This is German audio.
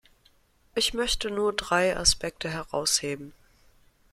Ich möchte nur drei Aspekte herausheben.